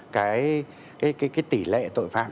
cái tỷ lệ tội phạm